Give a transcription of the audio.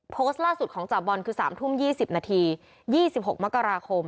โพสต์ล่าสุดของจ่าบอลคือ๓ทุ่ม๒๐นาที๒๖มกราคม